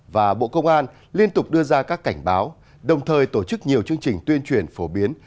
và bộ công an liên tục đưa ra các cảnh báo đồng thời tổ chức nhiều chương trình tuyên truyền phổ biến